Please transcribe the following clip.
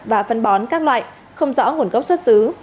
và phân bón các loại không rõ nguồn gốc xuất xứ